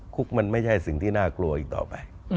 คุกมันไม่ใช่สิ่งที่น่ากลัวอีกต่อไป